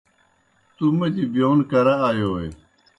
تُوْ مودیْ بِیون کرہ آیوئے؟